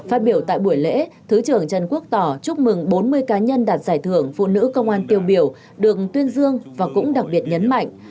phát biểu tại buổi lễ thứ trưởng trần quốc tỏ chúc mừng bốn mươi cá nhân đạt giải thưởng phụ nữ công an tiêu biểu được tuyên dương và cũng đặc biệt nhấn mạnh